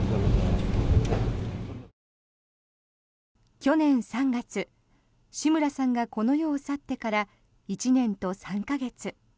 去年３月志村さんがこの世を去ってから１年と３か月。